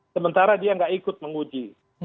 sementara dia nggak ikut menguji